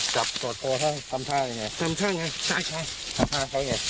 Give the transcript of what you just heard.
กลับกรอดโทรท่าทำท่ายังไงทำท่ายังไงใช่ใช่ทำท่ายังไง